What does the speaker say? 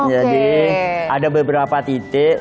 jadi ada beberapa titik